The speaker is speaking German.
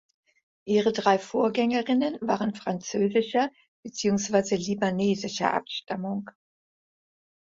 Ihre drei Vorgängerinnen waren französischer beziehungsweise libanesischer Abstammung.